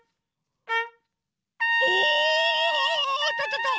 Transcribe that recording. おっ！ととと！